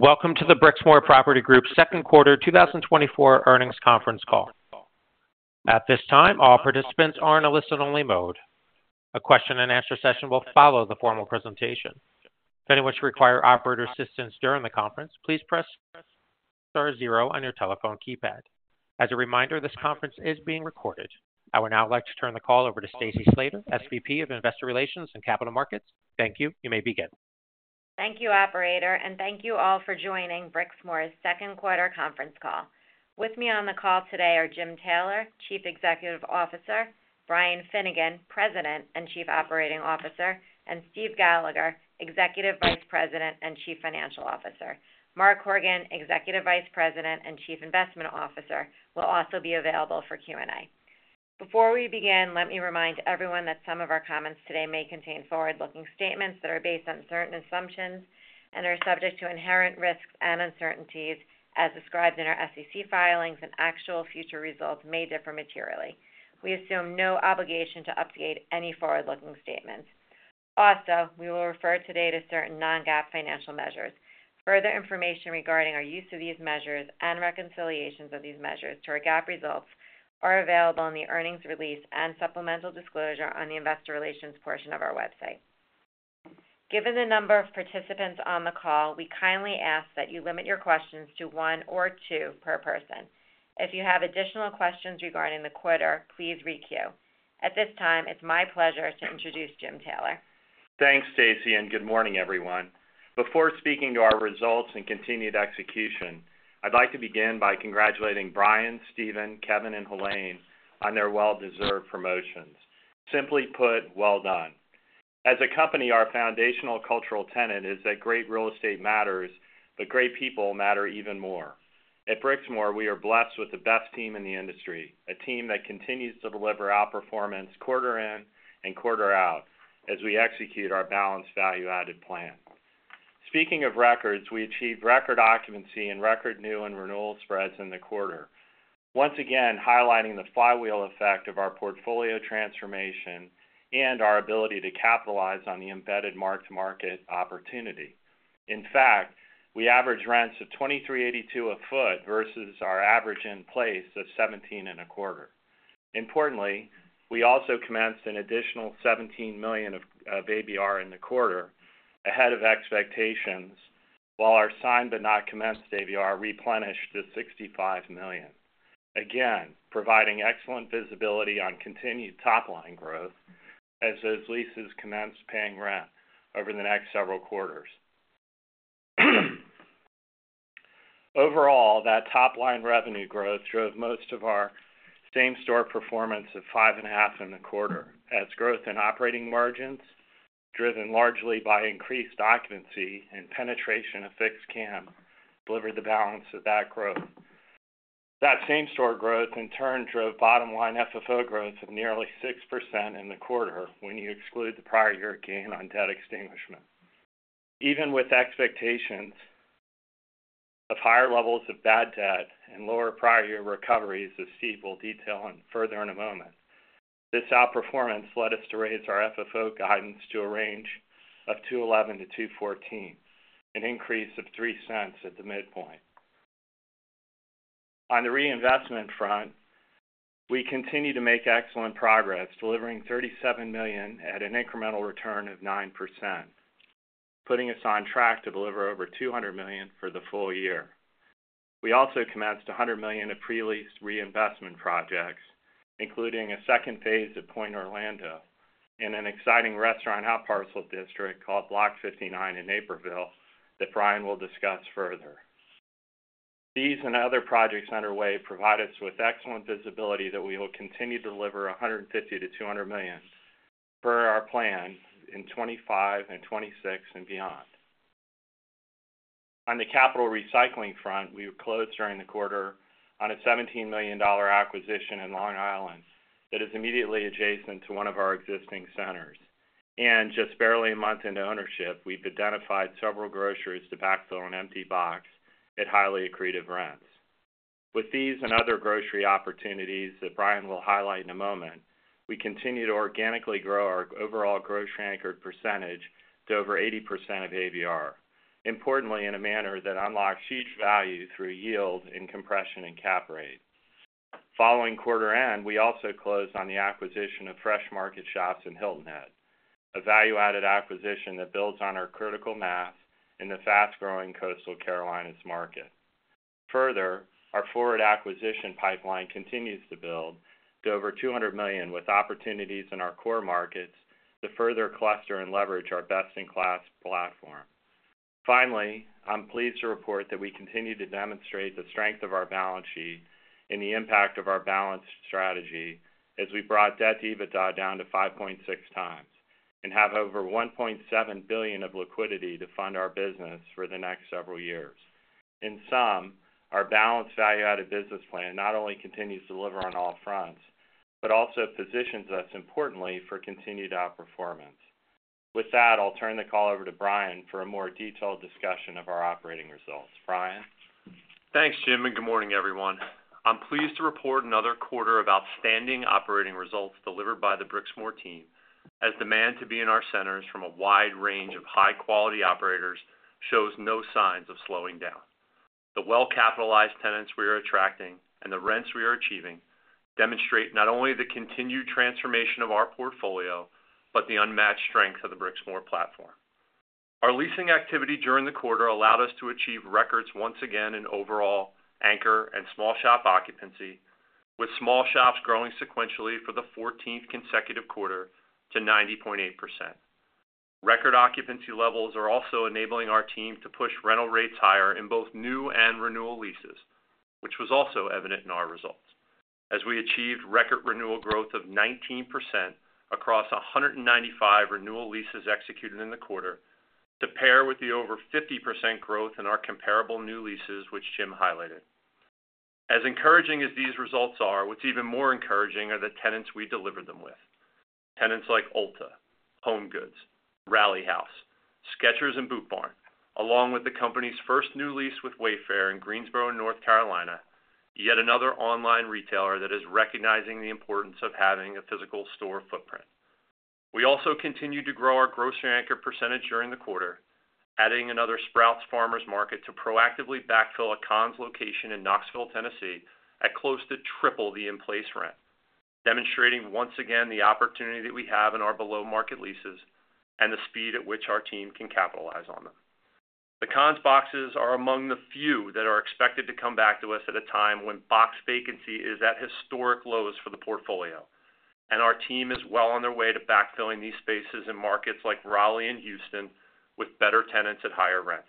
Welcome to the Brixmor Property Group second quarter 2024 earnings conference call. At this time, all participants are in a listen-only mode. A question-and-answer session will follow the formal presentation. If any of which require operator assistance during the conference, please press star zero on your telephone keypad. As a reminder, this conference is being recorded. I would now like to turn the call over to Stacy Slater, SVP of Investor Relations and Capital Markets. Thank you. You may begin. Thank you, operator, and thank you all for joining Brixmor's second quarter conference call. With me on the call today are Jim Taylor, Chief Executive Officer, Brian Finnegan, President and Chief Operating Officer, and Steve Gallagher, Executive Vice President and Chief Financial Officer. Mark Horgan, Executive Vice President and Chief Investment Officer, will also be available for Q&A. Before we begin, let me remind everyone that some of our comments today may contain forward-looking statements that are based on certain assumptions and are subject to inherent risks and uncertainties as described in our SEC filings, and actual future results may differ materially. We assume no obligation to update any forward-looking statements. Also, we will refer today to certain non-GAAP financial measures. Further information regarding our use of these measures and reconciliations of these measures to our GAAP results are available in the earnings release and supplemental disclosure on the investor relations portion of our website. Given the number of participants on the call, we kindly ask that you limit your questions to one or two per person. If you have additional questions regarding the quarter, please re-queue. At this time, it's my pleasure to introduce Jim Taylor. Thanks, Stacy, and good morning, everyone. Before speaking to our results and continued execution, I'd like to begin by congratulating Brian, Steven, Kevin, and Helaine on their well-deserved promotions. Simply put, well done. As a company, our foundational cultural tenet is that great real estate matters, but great people matter even more. At Brixmor, we are blessed with the best team in the industry, a team that continues to deliver outperformance quarter in and quarter out as we execute our balanced value-added plan. Speaking of records, we achieved record occupancy and record new and renewal spreads in the quarter. Once again, highlighting the flywheel effect of our portfolio transformation and our ability to capitalize on the embedded mark-to-market opportunity. In fact, we average rents of $23.82 a foot versus our average in place of $17.25. Importantly, we also commenced an additional $17 million of ABR in the quarter, ahead of expectations, while our signed but not commenced ABR replenished to $65 million. Again, providing excellent visibility on continued top-line growth as those leases commence paying rent over the next several quarters. Overall, that top-line revenue growth drove most of our same-store performance of 5.5 in the quarter, as growth in operating margins, driven largely by increased occupancy and penetration of fixed CAM, delivered the balance of that growth. That same-store growth in turn drove bottom-line FFO growth of nearly 6% in the quarter when you exclude the prior year gain on debt extinguishment. Even with expectations of higher levels of bad debt and lower prior year recoveries, as Steve will detail on further in a moment, this outperformance led us to raise our FFO guidance to a range of $2.11-$2.14, an increase of $0.03 at the midpoint. On the reinvestment front, we continue to make excellent progress, delivering $37 million at an incremental return of 9%, putting us on track to deliver over $200 million for the full year. We also commenced $100 million of pre-leased reinvestment projects, including a second phase at Pointe Orlando and an exciting restaurant outparcel district called Block 59 in Naperville that Brian will discuss further. These and other projects underway provide us with excellent visibility that we will continue to deliver $150 million-$200 million per our plan in 2025 and 2026 and beyond. On the capital recycling front, we closed during the quarter on a $17 million acquisition in Long Island that is immediately adjacent to one of our existing centers. Just barely a month into ownership, we've identified several groceries to backfill an empty box at highly accretive rents. With these and other grocery opportunities that Brian will highlight in a moment, we continue to organically grow our overall grocery anchored percentage to over 80% of ABR, importantly, in a manner that unlocks huge value through yield in compression and cap rate. Following quarter end, we also closed on the acquisition of Fresh Market Shoppes in Hilton Head, a value-added acquisition that builds on our critical mass in the fast-growing Coastal Carolinas market. Further, our forward acquisition pipeline continues to build to over $200 million, with opportunities in our core markets to further cluster and leverage our best-in-class platform. Finally, I'm pleased to report that we continue to demonstrate the strength of our balance sheet and the impact of our balanced strategy as we brought debt to EBITDA down to 5.6x and have over $1.7 billion of liquidity to fund our business for the next several years. In sum, our balanced value-added business plan not only continues to deliver on all fronts, but also positions us importantly for continued outperformance. With that, I'll turn the call over to Brian for a more detailed discussion of our operating results. Brian?... Thanks, Jim, and good morning, everyone. I'm pleased to report another quarter of outstanding operating results delivered by the Brixmor team, as demand to be in our centers from a wide range of high-quality operators shows no signs of slowing down. The well-capitalized tenants we are attracting and the rents we are achieving demonstrate not only the continued transformation of our portfolio, but the unmatched strength of the Brixmor platform. Our leasing activity during the quarter allowed us to achieve records once again in overall anchor and small shop occupancy, with small shops growing sequentially for the fourteenth consecutive quarter to 90.8%. Record occupancy levels are also enabling our team to push rental rates higher in both new and renewal leases, which was also evident in our results, as we achieved record renewal growth of 19% across 195 renewal leases executed in the quarter, to pair with the over 50% growth in our comparable new leases, which Jim highlighted. As encouraging as these results are, what's even more encouraging are the tenants we delivered them with. Tenants like Ulta, HomeGoods, Rally House, Skechers, and Boot Barn, along with the company's first new lease with Wayfair in Greensboro, North Carolina, yet another online retailer that is recognizing the importance of having a physical store footprint. We also continued to grow our grocery anchor percentage during the quarter, adding another Sprouts Farmers Market to proactively backfill a Conn's location in Knoxville, Tennessee, at close to triple the in-place rent, demonstrating once again the opportunity that we have in our below-market leases and the speed at which our team can capitalize on them. The Conn's boxes are among the few that are expected to come back to us at a time when box vacancy is at historic lows for the portfolio, and our team is well on their way to backfilling these spaces in markets like Raleigh and Houston with better tenants at higher rents.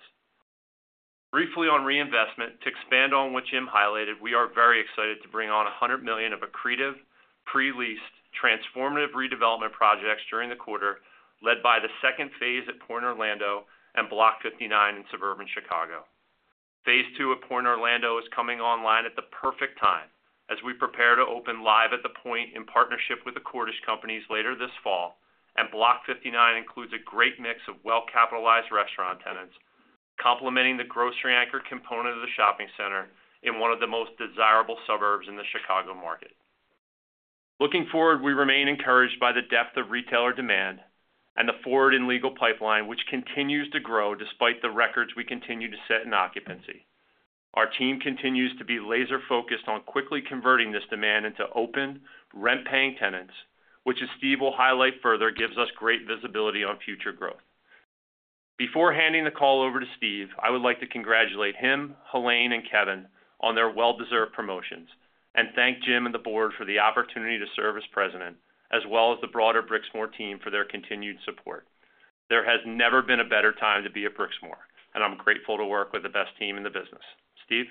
Briefly on reinvestment, to expand on what Jim highlighted, we are very excited to bring on $100 million of accretive, pre-leased, transformative redevelopment projects during the quarter, led by the second phase at Pointe Orlando and Block 59 in suburban Chicago. Phase two of Pointe Orlando is coming online at the perfect time, as we prepare to open Live! at the Pointe in partnership with The Cordish Companies later this fall, and Block 59 includes a great mix of well-capitalized restaurant tenants, complementing the grocery anchor component of the shopping center in one of the most desirable suburbs in the Chicago market. Looking forward, we remain encouraged by the depth of retailer demand and the forward and legal pipeline, which continues to grow despite the records we continue to set in occupancy. Our team continues to be laser-focused on quickly converting this demand into open, rent-paying tenants, which, as Steve will highlight further, gives us great visibility on future growth. Before handing the call over to Steve, I would like to congratulate him, Helaine, and Kevin on their well-deserved promotions, and thank Jim and the board for the opportunity to serve as president, as well as the broader Brixmor team for their continued support. There has never been a better time to be at Brixmor, and I'm grateful to work with the best team in the business. Steve?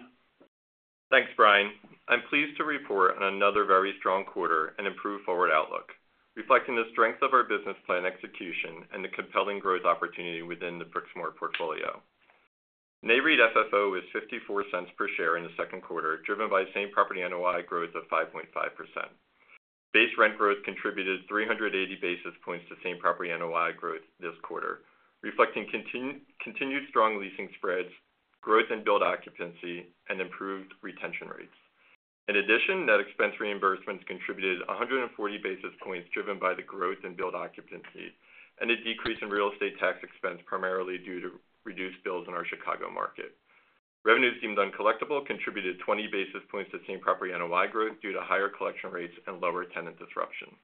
Thanks, Brian. I'm pleased to report on another very strong quarter and improved forward outlook, reflecting the strength of our business plan execution and the compelling growth opportunity within the Brixmor portfolio. NAREIT FFO is $0.54 per share in the second quarter, driven by same-property NOI growth of 5.5%. Base rent growth contributed 380 basis points to same-property NOI growth this quarter, reflecting continued strong leasing spreads, growth in billed occupancy, and improved retention rates. In addition, net expense reimbursements contributed 140 basis points, driven by the growth in billed occupancy and a decrease in real estate tax expense, primarily due to reduced bills in our Chicago market. Revenues deemed uncollectible contributed 20 basis points to same-property NOI growth due to higher collection rates and lower tenant disruption.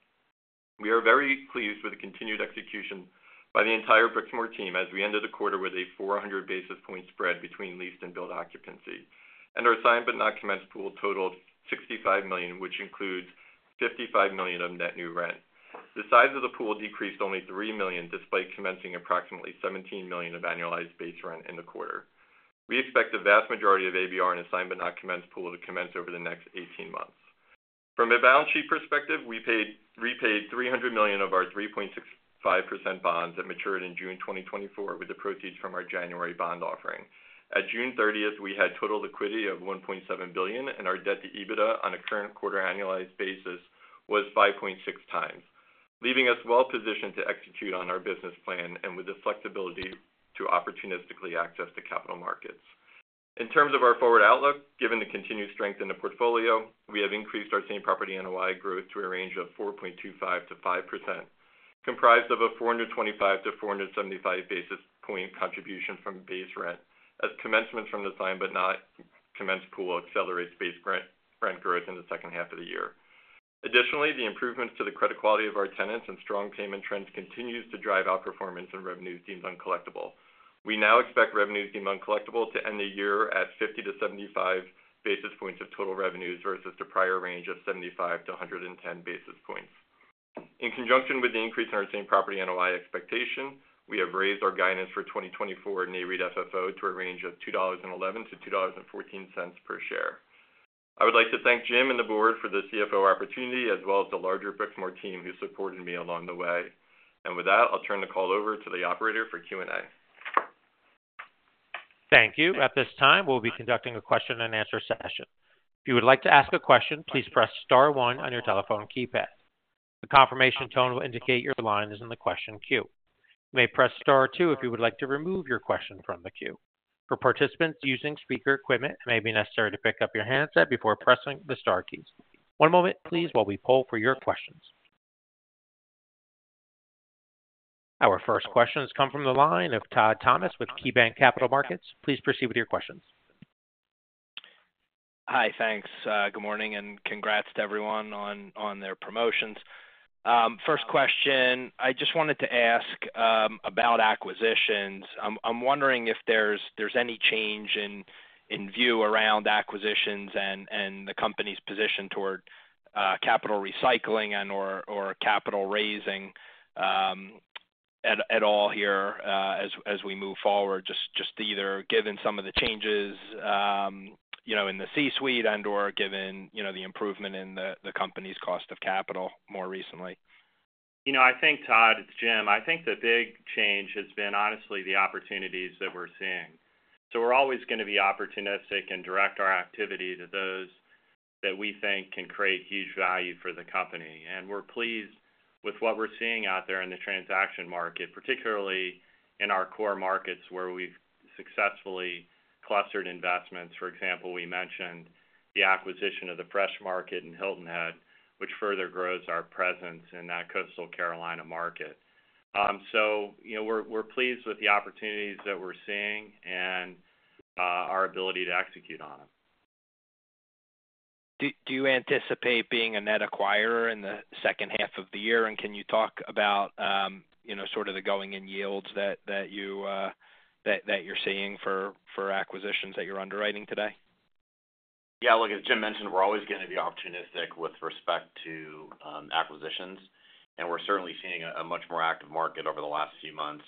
We are very pleased with the continued execution by the entire Brixmor team as we ended the quarter with a 400 basis point spread between leased and billed occupancy, and our signed but not commenced pool totaled $65 million, which includes $55 million of net new rent. The size of the pool decreased only $3 million, despite commencing approximately $17 million of annualized base rent in the quarter. We expect the vast majority of ABR and signed but not commenced pool to commence over the next eighteen months. From a balance sheet perspective, we repaid $300 million of our 3.65% bonds that matured in June 2024 with the proceeds from our January bond offering. At June 30, we had total liquidity of $1.7 billion, and our debt to EBITDA on a current quarter annualized basis was 5.6x, leaving us well positioned to execute on our business plan and with the flexibility to opportunistically access the capital markets. In terms of our forward outlook, given the continued strength in the portfolio, we have increased our Same-Property NOI growth to a range of 4.25%-5%, comprised of a 425-475 basis point contribution from base rent as commencements from the Signed But Not Commenced pool accelerates base rent, rent growth in the second half of the year. Additionally, the improvements to the credit quality of our tenants and strong payment trends continues to drive outperformance in revenues deemed uncollectible. We now expect revenues deemed uncollectible to end the year at 50-75 basis points of total revenues versus the prior range of 75-110 basis points. In conjunction with the increase in our Same-Property NOI expectation, we have raised our guidance for 2024 NAREIT FFO to a range of $2.11-$2.14 per share. I would like to thank Jim and the board for the CFO opportunity, as well as the larger Brixmor team who supported me along the way. And with that, I'll turn the call over to the operator for Q&A. Thank you. At this time, we'll be conducting a question-and-answer session. If you would like to ask a question, please press star one on your telephone keypad.... The confirmation tone will indicate your line is in the question queue. You may press star two if you would like to remove your question from the queue. For participants using speaker equipment, it may be necessary to pick up your handset before pressing the star keys. One moment, please, while we poll for your questions. Our first question has come from the line of Todd Thomas with KeyBanc Capital Markets. Please proceed with your questions. Hi, thanks. Good morning, and congrats to everyone on their promotions. First question, I just wanted to ask about acquisitions. I'm wondering if there's any change in view around acquisitions and the company's position toward capital recycling and/or capital raising at all here, as we move forward, just either given some of the changes, you know, in the C-suite and/or given, you know, the improvement in the company's cost of capital more recently. You know, I think, Todd, it's Jim. I think the big change has been honestly, the opportunities that we're seeing. So we're always going to be opportunistic and direct our activity to those that we think can create huge value for the company. And we're pleased with what we're seeing out there in the transaction market, particularly in our core markets, where we've successfully clustered investments. For example, we mentioned the acquisition of the Fresh Market in Hilton Head, which further grows our presence in that Coastal Carolina market. So, you know, we're pleased with the opportunities that we're seeing and our ability to execute on them. Do you anticipate being a net acquirer in the second half of the year? And can you talk about, you know, sort of the going-in yields that you're seeing for acquisitions that you're underwriting today? Yeah, look, as Jim mentioned, we're always going to be opportunistic with respect to acquisitions, and we're certainly seeing a much more active market over the last few months.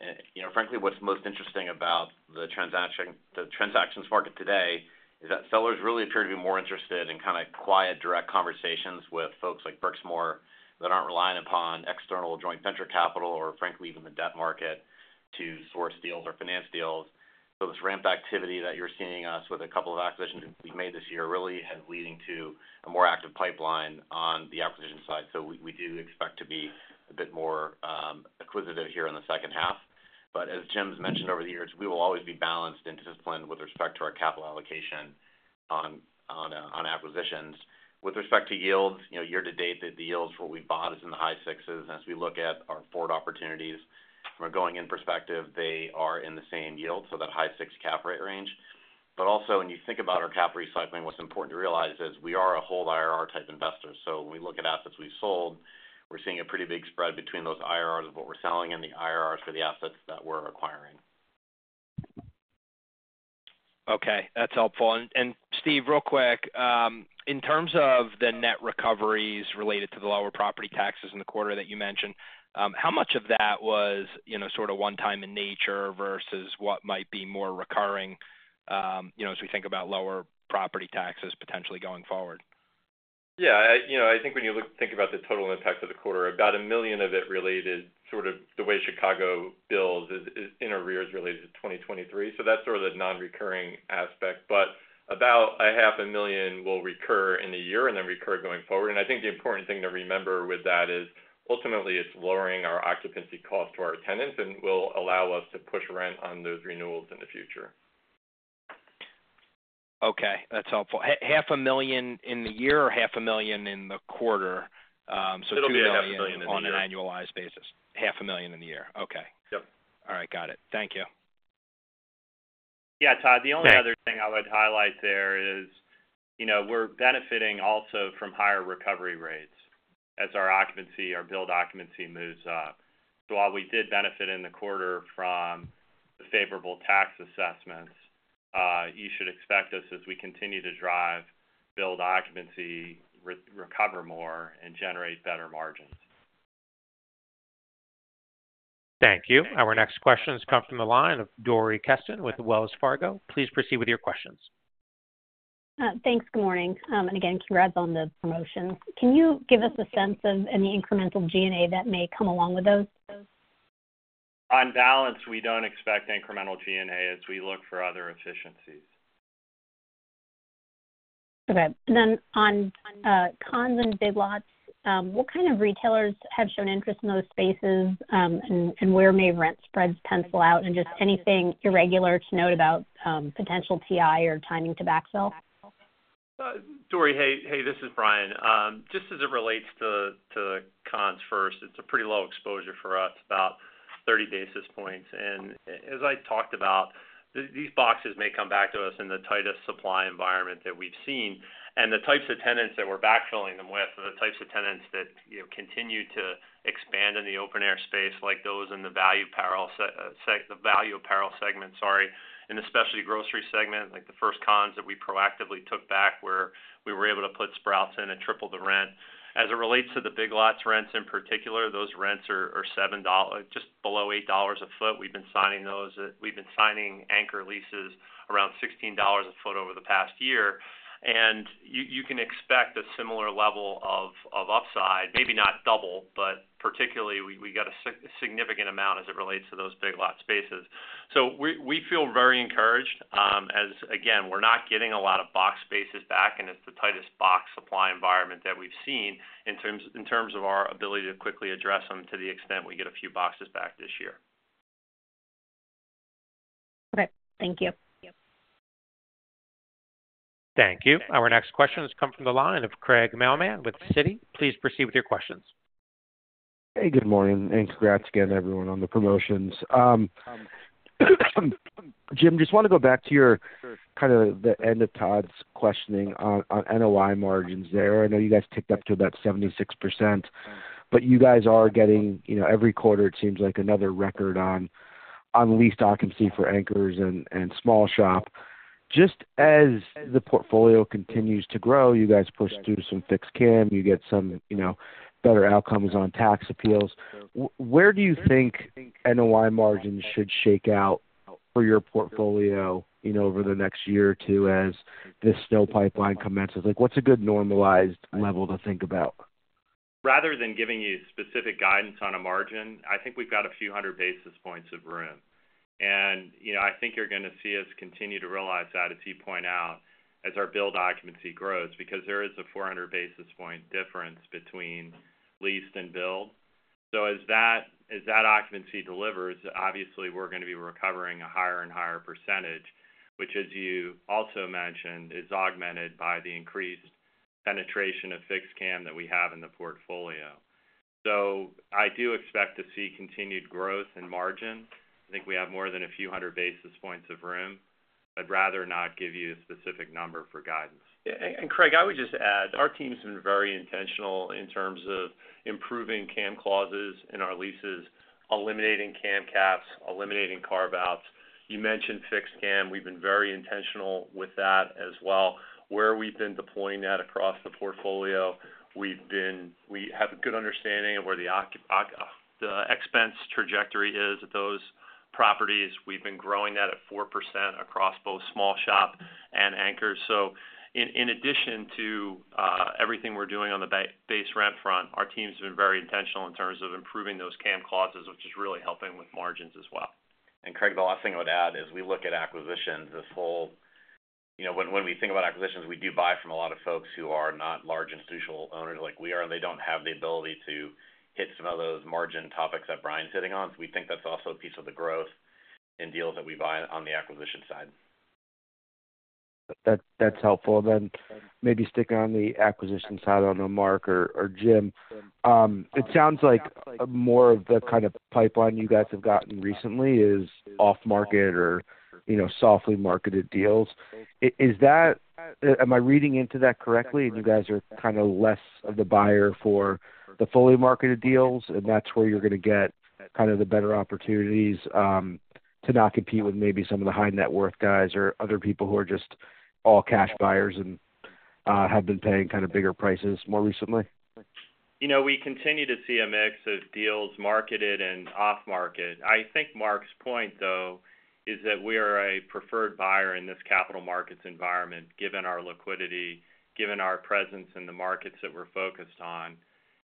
And, you know, frankly, what's most interesting about the transaction—the transactions market today is that sellers really appear to be more interested in kind of quiet, direct conversations with folks like Brixmor, that aren't relying upon external joint venture capital or frankly, even the debt market to source deals or finance deals. So this ramp activity that you're seeing us with a couple of acquisitions that we've made this year really is leading to a more active pipeline on the acquisition side. So we do expect to be a bit more acquisitive here in the second half. But as Jim's mentioned over the years, we will always be balanced and disciplined with respect to our capital allocation on, on, on acquisitions. With respect to yields, you know, year to date, the yields for what we bought is in the high sixes. As we look at our forward opportunities from a going-in perspective, they are in the same yield, so that high six cap rate range. But also, when you think about our cap recycling, what's important to realize is we are a hold IRR-type investor. So when we look at assets we've sold, we're seeing a pretty big spread between those IRRs of what we're selling and the IRRs for the assets that we're acquiring. Okay, that's helpful. And Steve, real quick, in terms of the net recoveries related to the lower property taxes in the quarter that you mentioned, how much of that was, you know, sort of one time in nature versus what might be more recurring, you know, as we think about lower property taxes potentially going forward? Yeah, you know, I think when you look, think about the total impact of the quarter, about $1 million of it related sort of the way Chicago bills is in arrears related to 2023. So that's sort of the non-recurring aspect, but about $500,000 will recur in a year and then recur going forward. And I think the important thing to remember with that is, ultimately, it's lowering our occupancy cost to our tenants and will allow us to push rent on those renewals in the future. Okay, that's helpful. $500,000 in the year or $500,000 in the quarter? So $2 million- It'll be $500,000 in the year. On an annualized basis. $500,000 in the year. Okay. Yep. All right, got it. Thank you. Yeah, Todd- Thanks. The only other thing I would highlight there is, you know, we're benefiting also from higher recovery rates as our occupancy, our billed occupancy moves up. So while we did benefit in the quarter from the favorable tax assessments, you should expect us as we continue to drive, billed occupancy, recover more and generate better margins. Thank you. Our next question has come from the line of Dori Kesten with Wells Fargo. Please proceed with your questions. Thanks, good morning. And again, congrats on the promotions. Can you give us a sense of any incremental G&A that may come along with those? On balance, we don't expect incremental G&A as we look for other efficiencies. Okay. And then on Conn's and Big Lots, what kind of retailers have shown interest in those spaces, and where may rent spreads pencil out? And just anything irregular to note about potential TI or timing to backfill? Dori, hey, hey, this is Brian. Just as it relates to Conn's first, it's a pretty low exposure for us, about 30 basis points. As I talked about, these boxes may come back to us in the tightest supply environment that we've seen. The types of tenants that we're backfilling them with are the types of tenants that, you know, continue to expand in the open-air space, like those in the value apparel segment, sorry, and especially grocery segment, like the first Conn's that we proactively took back, where we were able to put Sprouts in and triple the rent. As it relates to the Big Lots rents, in particular, those rents are $7 just below $8 a foot. We've been signing anchor leases around $16 a foot over the past year, and you can expect a similar level of upside, maybe not double, but-... particularly, we got a significant amount as it relates to those Big Lots spaces. So we feel very encouraged, as again, we're not getting a lot of box spaces back, and it's the tightest box supply environment that we've seen in terms of our ability to quickly address them to the extent we get a few boxes back this year. Okay, thank you. Thank you. Our next question has come from the line of Craig Mailman with Citi. Please proceed with your questions. Hey, good morning, and congrats again, everyone, on the promotions. Jim, just wanna go back to your kind of the end of Todd's questioning on, on NOI margins there. I know you guys ticked up to about 76%, but you guys are getting, you know, every quarter, it seems like another record on, on leased occupancy for anchors and, and small shop. Just as the portfolio continues to grow, you guys push through some fixed CAM, you get some, you know, better outcomes on tax appeals. Where do you think NOI margins should shake out for your portfolio, you know, over the next year or two as this SNO pipeline commences? Like, what's a good normalized level to think about? Rather than giving you specific guidance on a margin, I think we've got a few hundred basis points of room. You know, I think you're gonna see us continue to realize that, as you point out, as our billed occupancy grows, because there is a 400 basis point difference between leased and billed. So as that, as that occupancy delivers, obviously, we're gonna be recovering a higher and higher percentage, which, as you also mentioned, is augmented by the increased penetration of fixed CAM that we have in the portfolio. So I do expect to see continued growth in margin. I think we have more than a few hundred basis points of room. I'd rather not give you a specific number for guidance. And Craig, I would just add, our team's been very intentional in terms of improving CAM clauses in our leases, eliminating CAM caps, eliminating carve-outs. You mentioned fixed CAM. We've been very intentional with that as well. Where we've been deploying that across the portfolio, we have a good understanding of where the expense trajectory is at those properties. We've been growing that at 4% across both small shop and anchors. So in addition to everything we're doing on the base rent front, our team's been very intentional in terms of improving those CAM clauses, which is really helping with margins as well. And Craig, the last thing I would add is we look at acquisitions, this whole... You know, when we think about acquisitions, we do buy from a lot of folks who are not large institutional owners like we are, and they don't have the ability to hit some of those margin topics that Brian's hitting on. So we think that's also a piece of the growth in deals that we buy on the acquisition side. That, that's helpful. Then maybe sticking on the acquisition side, I don't know, Mark or Jim, it sounds like more of the kind of pipeline you guys have gotten recently is off market or, you know, softly marketed deals. Is that, am I reading into that correctly, and you guys are kind of less of the buyer for the fully marketed deals, and that's where you're gonna get kind of the better opportunities, to not compete with maybe some of the high net worth guys or other people who are just all-cash buyers and, have been paying kind of bigger prices more recently? You know, we continue to see a mix of deals marketed and off-market. I think Mark's point, though, is that we are a preferred buyer in this capital markets environment, given our liquidity, given our presence in the markets that we're focused on,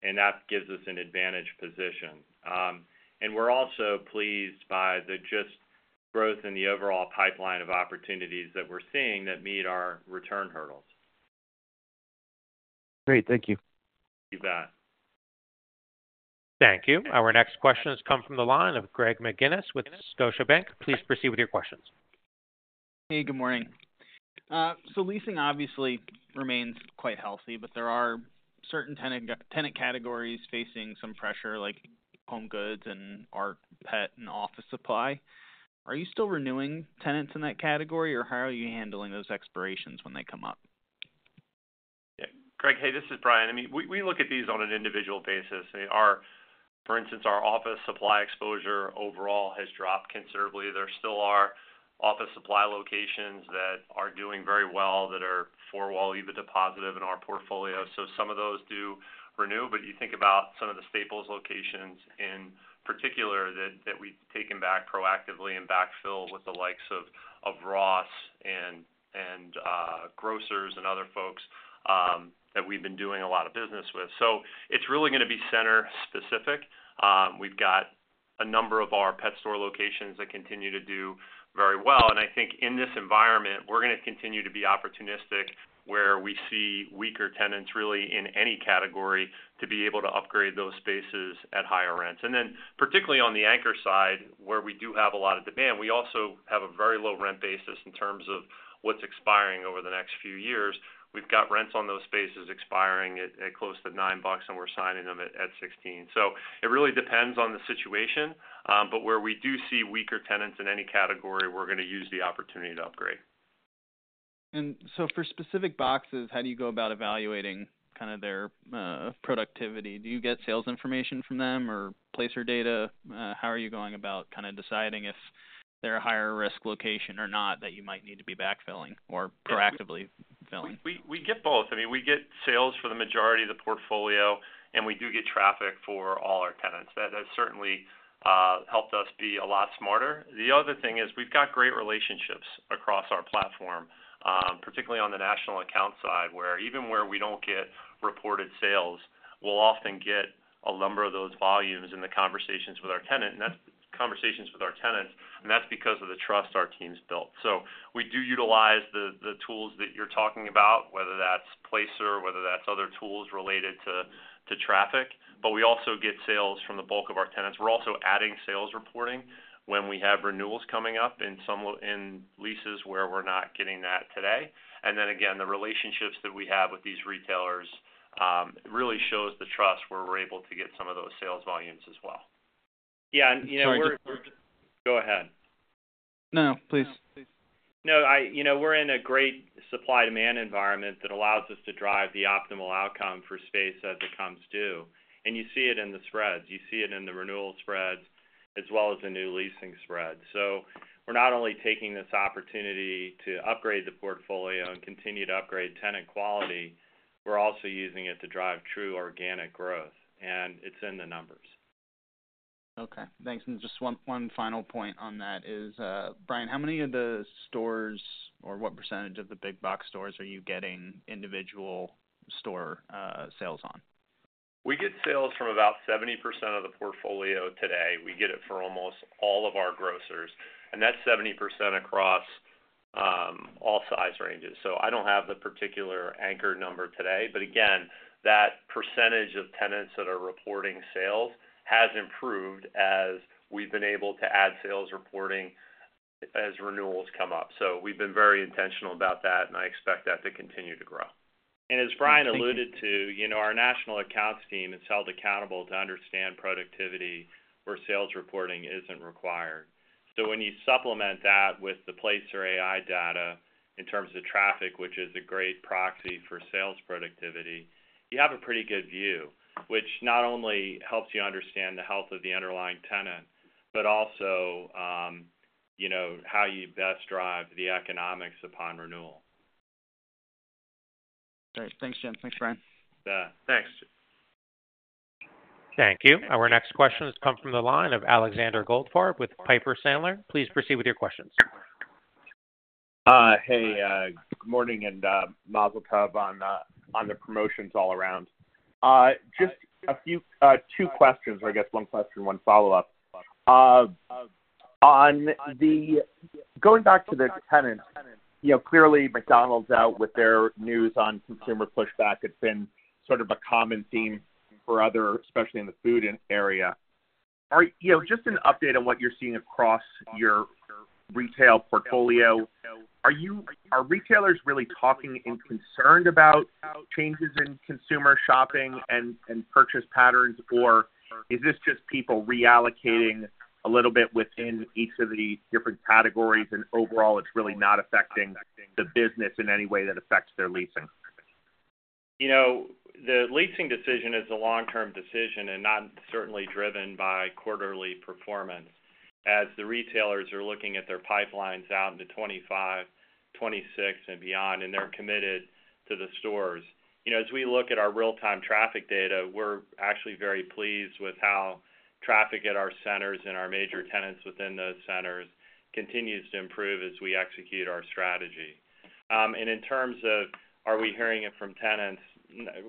and that gives us an advantage position. And we're also pleased by the just growth in the overall pipeline of opportunities that we're seeing that meet our return hurdles. Great. Thank you. You bet. Thank you. Our next question has come from the line of Greg McGinnis with Scotiabank. Please proceed with your questions. Hey, good morning. So leasing obviously remains quite healthy, but there are certain tenant categories facing some pressure, like HomeGoods and art, pet, and office supply. Are you still renewing tenants in that category, or how are you handling those expirations when they come up? Yeah, Greg, hey, this is Brian. I mean, we look at these on an individual basis. Our—for instance, our office supply exposure overall has dropped considerably. There still are office supply locations that are doing very well, that are Four-Wall EBITDA positive in our portfolio. So some of those do renew, but you think about some of the Staples locations, in particular, that we've taken back proactively and backfilled with the likes of Ross and grocers and other folks that we've been doing a lot of business with. So it's really gonna be center specific. We've got a number of our pet store locations that continue to do very well, and I think in this environment, we're gonna continue to be opportunistic, where we see weaker tenants, really, in any category, to be able to upgrade those spaces at higher rents. And then, particularly on the anchor side, where we do have a lot of demand, we also have a very low rent basis in terms of what's expiring over the next few years. We've got rents on those spaces expiring at close to $9, and we're signing them at $16. So it really depends on the situation, but where we do see weaker tenants in any category, we're gonna use the opportunity to upgrade.... And so for specific boxes, how do you go about evaluating kind of their productivity? Do you get sales information from them or placer data? How are you going about kind of deciding if they're a higher risk location or not, that you might need to be backfilling or proactively filling? We get both. I mean, we get sales for the majority of the portfolio, and we do get traffic for all our tenants. That has certainly helped us be a lot smarter. The other thing is we've got great relationships across our platform, particularly on the national account side, where even where we don't get reported sales, we'll often get a number of those volumes in the conversations with our tenant, and that's conversations with our tenants, and that's because of the trust our team's built. So we do utilize the tools that you're talking about, whether that's Placer, whether that's other tools related to traffic, but we also get sales from the bulk of our tenants. We're also adding sales reporting when we have renewals coming up in some in leases where we're not getting that today. And then again, the relationships that we have with these retailers really shows the trust where we're able to get some of those sales volumes as well. Yeah, and you know, we're- Sorry. Go ahead. No, please. No, you know, we're in a great supply-demand environment that allows us to drive the optimal outcome for space as it comes due. And you see it in the spreads. You see it in the renewal spreads, as well as the new leasing spreads. So we're not only taking this opportunity to upgrade the portfolio and continue to upgrade tenant quality, we're also using it to drive true organic growth, and it's in the numbers. Okay, thanks. And just one final point on that is, Brian, how many of the stores or what percentage of the big box stores are you getting individual store sales on? We get sales from about 70% of the portfolio today. We get it for almost all of our grocers, and that's 70% across, all size ranges. So I don't have the particular anchor number today, but again, that percentage of tenants that are reporting sales has improved as we've been able to add sales reporting as renewals come up. So we've been very intentional about that, and I expect that to continue to grow. As Brian alluded to, you know, our national accounts team is held accountable to understand productivity where sales reporting isn't required. When you supplement that with the Placer.ai data in terms of traffic, which is a great proxy for sales productivity, you have a pretty good view, which not only helps you understand the health of the underlying tenant, but also, you know, how you best drive the economics upon renewal. Great. Thanks, Jim. Thanks, Brian. Yeah. Thanks. Thank you. Our next question has come from the line of Alexander Goldfarb with Piper Sandler. Please proceed with your questions. Hey, good morning, and mazel tov on the promotions all around. Just a few two questions, or I guess one question, one follow-up. Going back to the tenants, you know, clearly, McDonald's out with their news on consumer pushback, it's been sort of a common theme for others, especially in the food and area. You know, just an update on what you're seeing across your retail portfolio, are retailers really talking and concerned about changes in consumer shopping and purchase patterns? Or is this just people reallocating a little bit within each of the different categories, and overall, it's really not affecting the business in any way that affects their leasing? You know, the leasing decision is a long-term decision and not certainly driven by quarterly performance, as the retailers are looking at their pipelines out into 2025, 2026 and beyond, and they're committed to the stores. You know, as we look at our real-time traffic data, we're actually very pleased with how traffic at our centers and our major tenants within those centers continues to improve as we execute our strategy. And in terms of, are we hearing it from tenants?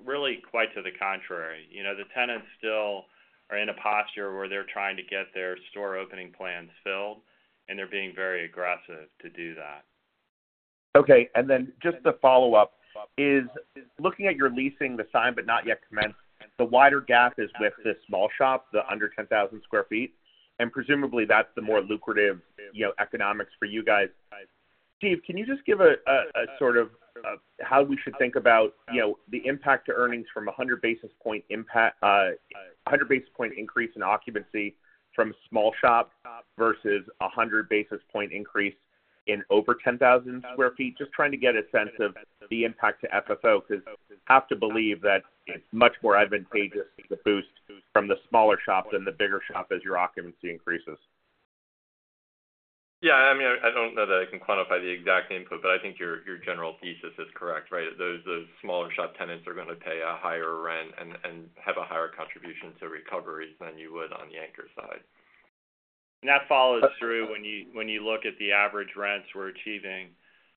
Really, quite to the contrary. You know, the tenants still are in a posture where they're trying to get their store opening plans filled, and they're being very aggressive to do that. Okay, and then just to follow up, is looking at your leasing, the signed but not yet commenced, the wider gap is with the small shop, the under 10,000 sq ft, and presumably that's the more lucrative, you know, economics for you guys. Steve, can you just give a, a sort of, how we should think about, you know, the impact to earnings from a 100 basis point impact, a 100 basis point increase in occupancy from small shop versus a 100 basis point increase in over 10,000 sq ft? Just trying to get a sense of the impact to FFO, 'cause I have to believe that it's much more advantageous to boost from the smaller shop than the bigger shop as your occupancy increases. Yeah, I mean, I don't know that I can quantify the exact input, but I think your general thesis is correct, right? Those smaller shop tenants are gonna pay a higher rent and have a higher contribution to recoveries than you would on the anchor side. That follows through when you, when you look at the average rents we're achieving,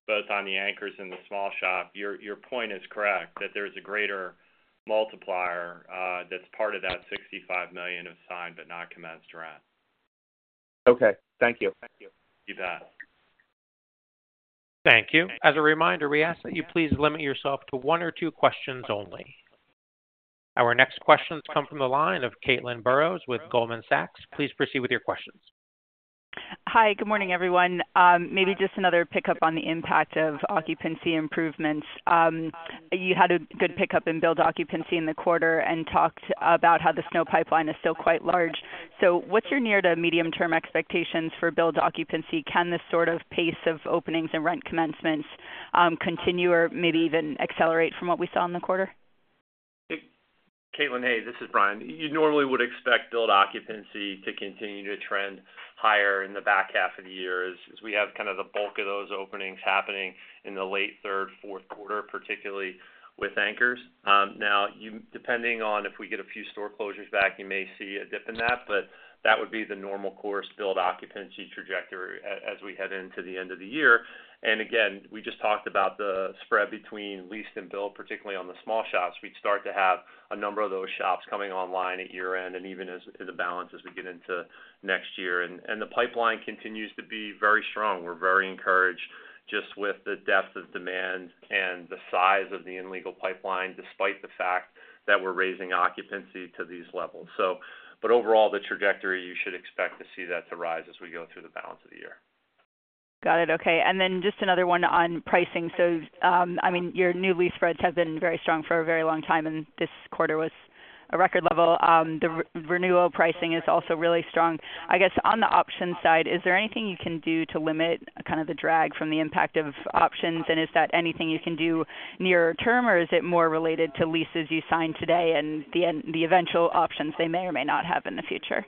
both on the anchors and the small shop. Your, your point is correct, that there's a greater multiplier, that's part of that $65 million of signed but not commenced rent. Okay, thank you. You bet. Thank you. As a reminder, we ask that you please limit yourself to one or two questions only. Our next question comes from the line of Caitlin Burrows with Goldman Sachs. Please proceed with your questions. Hi, good morning, everyone. Maybe just another pickup on the impact of occupancy improvements. You had a good pickup in billed occupancy in the quarter and talked about how the SNO pipeline is still quite large. So what's your near- to medium-term expectations for billed occupancy? Can this sort of pace of openings and rent commencements continue or maybe even accelerate from what we saw in the quarter?... Caitlin, hey, this is Brian. You normally would expect billed occupancy to continue to trend higher in the back half of the year as we have kind of the bulk of those openings happening in the late third, fourth quarter, particularly with anchors. Now, you, depending on if we get a few store closures back, you may see a dip in that, but that would be the normal course billed occupancy trajectory as we head into the end of the year. And again, we just talked about the spread between leased and billed, particularly on the small shops. We'd start to have a number of those shops coming online at year-end and even as to the balance as we get into next year. And the pipeline continues to be very strong. We're very encouraged just with the depth of demand and the size of the leasing pipeline, despite the fact that we're raising occupancy to these levels. But overall, the trajectory, you should expect to see that to rise as we go through the balance of the year. Got it, okay. And then just another one on pricing. So, I mean, your new lease spreads have been very strong for a very long time, and this quarter was a record level. The renewal pricing is also really strong. I guess, on the option side, is there anything you can do to limit kind of the drag from the impact of options? And is that anything you can do near term, or is it more related to leases you sign today and the eventual options they may or may not have in the future?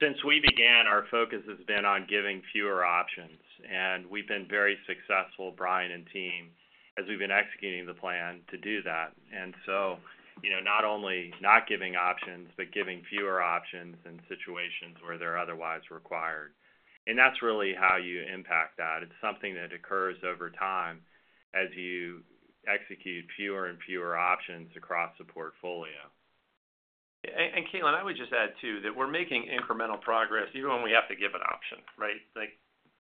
Since we began, our focus has been on giving fewer options, and we've been very successful, Brian and team, as we've been executing the plan to do that. And so, you know, not only not giving options, but giving fewer options in situations where they're otherwise required. And that's really how you impact that. It's something that occurs over time as you execute fewer and fewer options across the portfolio. And Caitlin, I would just add, too, that we're making incremental progress, even when we have to give an option, right? Like,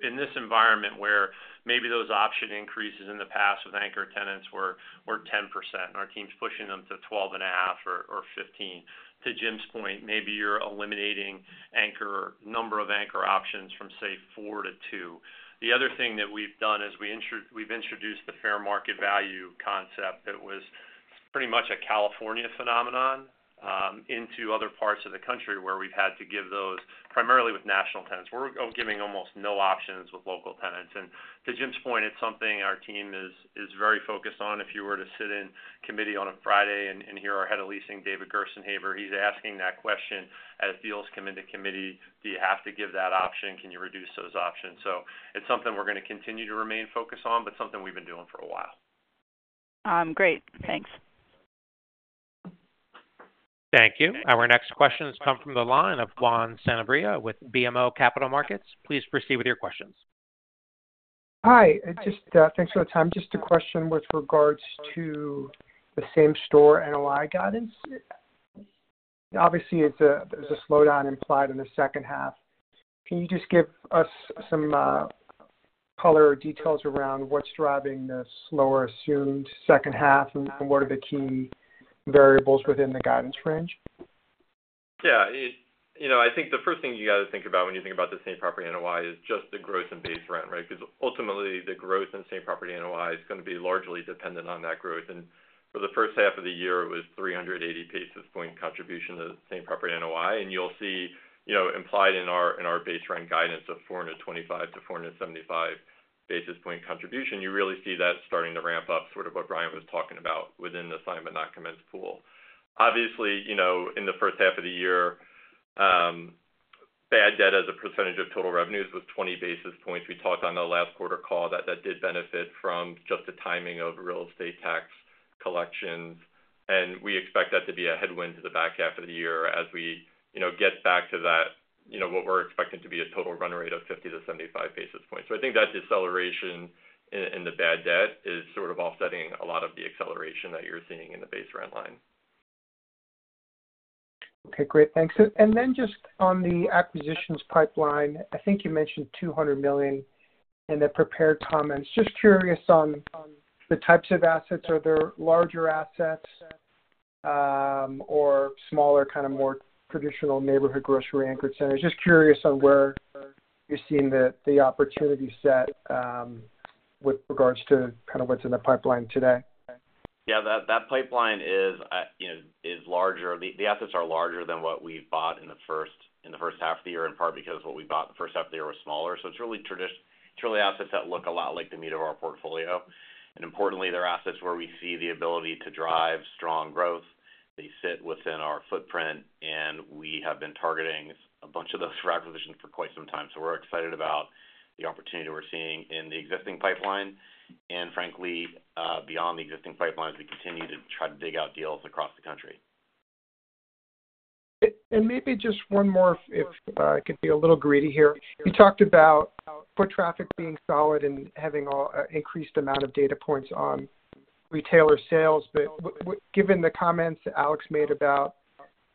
in this environment, where maybe those option increases in the past with anchor tenants were 10%, and our team's pushing them to 12.5% or 15%. To Jim's point, maybe you're eliminating anchor number of anchor options from, say, 4 to 2. The other thing that we've done is we've introduced the fair market value concept that was pretty much a California phenomenon into other parts of the country where we've had to give those, primarily with national tenants. We're giving almost no options with local tenants. And to Jim's point, it's something our team is very focused on. If you were to sit in committee on a Friday and hear our Head of Leasing, David Gerstenhaber, he's asking that question as deals come into committee, "Do you have to give that option? Can you reduce those options?" So it's something we're going to continue to remain focused on, but something we've been doing for a while. Great. Thanks. Thank you. Our next question has come from the line of Juan Sanabria with BMO Capital Markets. Please proceed with your questions. Hi, just. Thanks for the time. Just a question with regards to the same-store NOI guidance. Obviously, it's, there's a slowdown implied in the second half. Can you just give us some color or details around what's driving the slower assumed second half, and what are the key variables within the guidance range? Yeah, you know, I think the first thing you got to think about when you think about the Same-Property NOI is just the growth in base rent, right? Because ultimately, the growth in Same-Property NOI is going to be largely dependent on that growth. And for the first half of the year, it was 380 basis points contribution to the Same-Property NOI. And you'll see, you know, implied in our, in our base rent guidance of 425-475 basis points contribution, you really see that starting to ramp up, sort of what Brian was talking about within the Signed But Not Commenced pool. Obviously, you know, in the first half of the year, bad debt as a percentage of total revenues was 20 basis points. We talked on the last quarter call that that did benefit from just the timing of real estate tax collections, and we expect that to be a headwind to the back half of the year as we, you know, get back to that, you know, what we're expecting to be a total run rate of 50-75 basis points. So I think that deceleration in, in the bad debt is sort of offsetting a lot of the acceleration that you're seeing in the base rent line. Okay, great. Thanks. And then just on the acquisitions pipeline, I think you mentioned $200 million in the prepared comments. Just curious on, on the types of assets. Are there larger assets, or smaller, kind of more traditional neighborhood grocery anchored centers? Just curious on where you're seeing the, the opportunity set, with regards to kind of what's in the pipeline today. Yeah, that pipeline is, you know, is larger. The assets are larger than what we bought in the first half of the year, in part because what we bought in the first half of the year were smaller. So it's really assets that look a lot like the meat of our portfolio. And importantly, they're assets where we see the ability to drive strong growth. They sit within our footprint, and we have been targeting a bunch of those acquisitions for quite some time. So we're excited about the opportunity we're seeing in the existing pipeline, and frankly, beyond the existing pipeline, as we continue to try to dig out deals across the country. And maybe just one more, if I could be a little greedy here. You talked about foot traffic being solid and having an increased amount of data points on retailer sales. But, given the comments Alex made about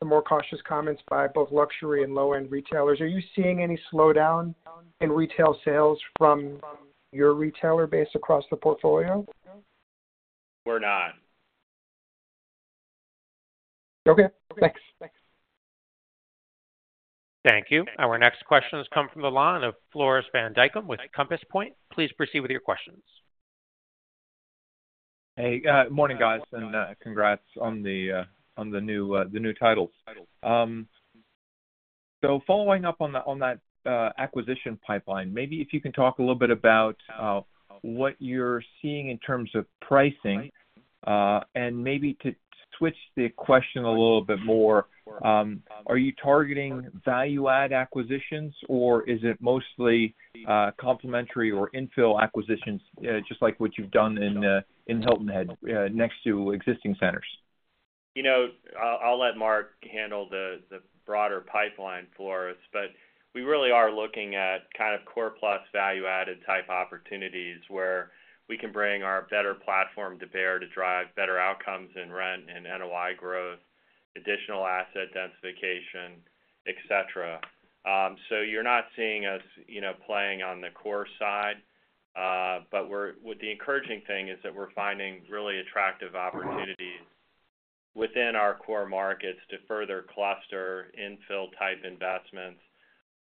the more cautious comments by both luxury and low-end retailers, are you seeing any slowdown in retail sales from your retailer base across the portfolio? We're not. Okay, thanks. Thank you. Our next question has come from the line of Floris van Dijkum with Compass Point. Please proceed with your questions. Hey, morning, guys, and congrats on the new titles.... So following up on that, on that, acquisition pipeline, maybe if you can talk a little bit about, what you're seeing in terms of pricing. And maybe to switch the question a little bit more, are you targeting value-add acquisitions, or is it mostly, complementary or infill acquisitions, just like what you've done in, in Hilton Head, next to existing centers? You know, I'll let Mark handle the broader pipeline for us, but we really are looking at kind of core plus value-added type opportunities, where we can bring our better platform to bear to drive better outcomes in rent and NOI growth, additional asset densification, et cetera. So you're not seeing us, you know, playing on the core side, but the encouraging thing is that we're finding really attractive opportunities within our core markets to further cluster infill-type investments,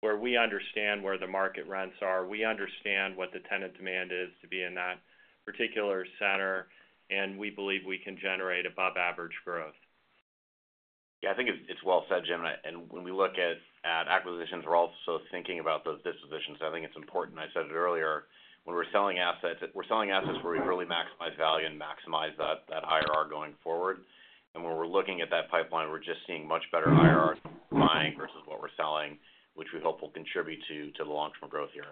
where we understand where the market rents are, we understand what the tenant demand is to be in that particular center, and we believe we can generate above average growth. Yeah, I think it's well said, Jim. When we look at acquisitions, we're also thinking about those dispositions. I think it's important, I said it earlier, when we're selling assets, we're selling assets where we really maximize value and maximize that IRR going forward. When we're looking at that pipeline, we're just seeing much better IRR buying versus what we're selling, which we hope will contribute to the long-term growth here.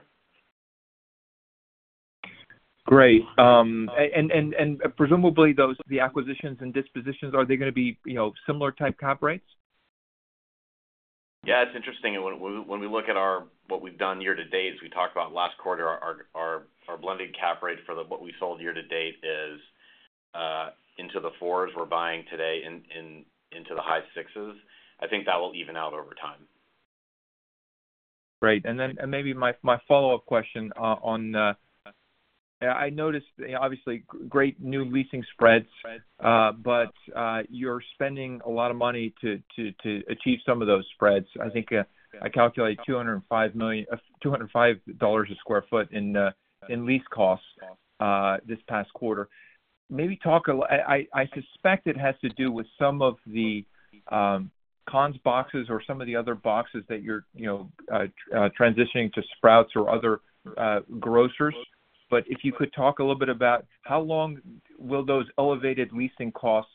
Great. And presumably, those are the acquisitions and dispositions. Are they gonna be, you know, similar type cap rates? Yeah, it's interesting. When we look at our what we've done year to date, as we talked about last quarter, our blended cap rate for the what we sold year to date is into the fours. We're buying today into the high sixes. I think that will even out over time. Great. Then maybe my follow-up question on, I noticed, obviously, great new leasing spreads, but you're spending a lot of money to achieve some of those spreads. I think, I calculate $205 million... $205 a sq ft in lease costs this past quarter. Maybe talk about-- I suspect it has to do with some of the Conn's boxes or some of the other boxes that you're, you know, transitioning to Sprouts or other grocers. But if you could talk a little bit about how long will those elevated leasing costs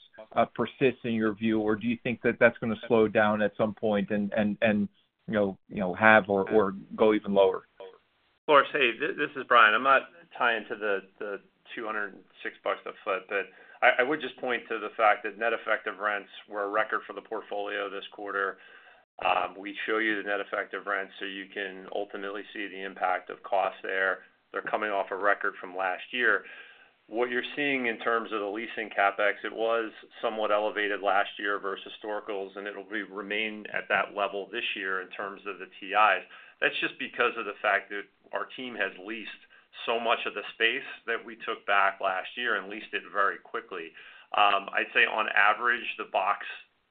persist in your view, or do you think that that's gonna slow down at some point and, you know, have or go even lower? Of course. Hey, this is Brian. I'm not tying to the, the $206 a foot, but I, I would just point to the fact that net effective rents were a record for the portfolio this quarter. We show you the net effective rent, so you can ultimately see the impact of costs there. They're coming off a record from last year. What you're seeing in terms of the leasing CapEx, it was somewhat elevated last year versus historicals, and it'll remain at that level this year in terms of the TIs. That's just because of the fact that our team has leased so much of the space that we took back last year and leased it very quickly. I'd say on average, the box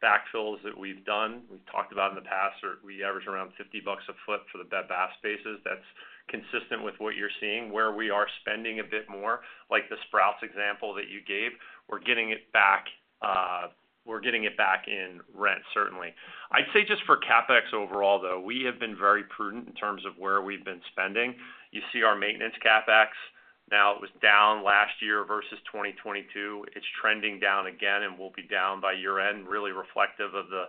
backfills that we've done, we've talked about in the past, we average around $50 a foot for the Bed Bath spaces. That's consistent with what you're seeing. Where we are spending a bit more, like the Sprouts example that you gave, we're getting it back, we're getting it back in rent, certainly. I'd say just for CapEx overall, though, we have been very prudent in terms of where we've been spending. You see our maintenance CapEx, now it was down last year versus 2022. It's trending down again and will be down by year-end, really reflective of the